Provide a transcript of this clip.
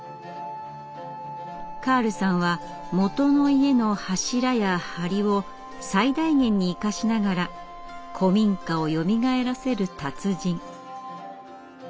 カールさんはもとの家の柱や梁を最大限に生かしながら古民家をよみがえらせる達人。